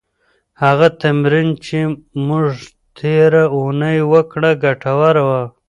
هغه تمرین چې موږ تېره اونۍ وکړه، ګټور و.